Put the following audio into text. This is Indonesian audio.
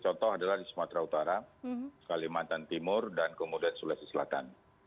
contoh adalah di sumatera utara kalimantan timur dan kemudian sulawesi selatan